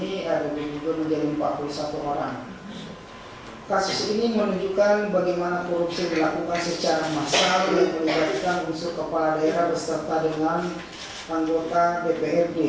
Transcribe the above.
kasus ini menunjukkan bagaimana korupsi dilakukan secara massal yang menyebabkan unsur kepala daerah berserta dengan anggota dprd